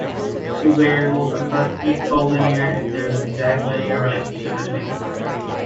Two variables are perfectly collinear if there is an exact linear relationship between them.